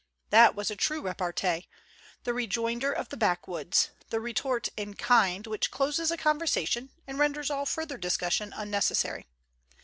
That was a true repartee the rejoinder of the backwoods, the retort in kind, which closes a conversation and renders all further discussion unnecessary.